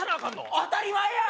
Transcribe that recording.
当たり前やー。